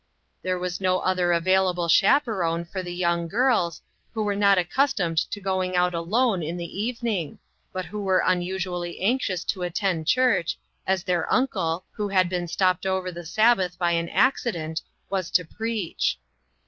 There was no other available chaperone for the young girls, who were not accustomed to going out alone in the even ing, but who were unusually anxious to at tend church, as their uncle, who had been stopped over the Sabbath by an accident, was to preach.